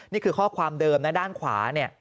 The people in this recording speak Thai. นี่คือข้อความเดิมด้านขวา